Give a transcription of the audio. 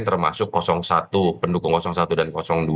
termasuk satu pendukung satu dan dua